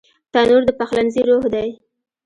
تنور د پخلنځي روح دی